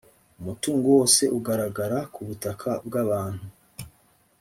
umutungo wose ugaragara ku butaka bw’abantu